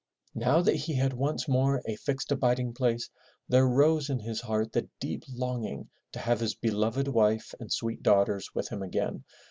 Now that he had once more a fixed abiding place, there rose in his heart the deep longing to have his beloved wife and sweet daughters with him again.